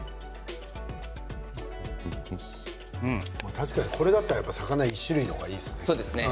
確かに、これだったら魚１種類の方がいいですね。